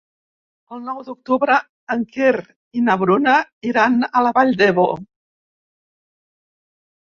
El nou d'octubre en Quer i na Bruna iran a la Vall d'Ebo.